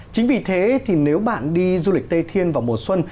chính vì thế thì nếu bạn đi du lịch tây thiên vào mùa xuân